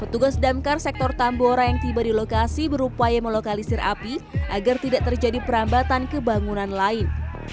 petugas damkar sektor tambora yang tiba di lokasi berupaya melokalisir api agar tidak terjadi perambatan kebangunan lain